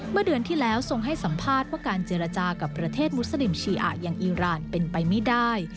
เมื่อเดือนที่แล้วทรงให้สัมภาษณ์ว่าการเจรจากับประเทศมุสลิมชีอะอย่างอีรานเป็นไปไม่ได้